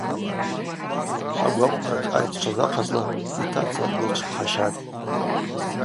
Агвакъвпра тшъайтчваз ахъазла йтаца дылчвпхащатӏ.